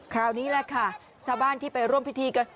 คราวนี้แหละค่ะชาวบ้านที่ไปร่วมพิธีก็